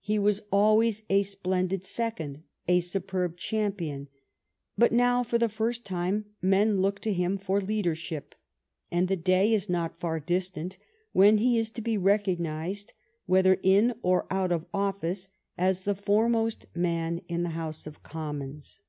He was always a splendid second, a superb cham pion ; but now for the first time men look to him for leadership, and the day is not far distant when he is to be recognized, whether in or out of office, as the foremost man in the House of Commons.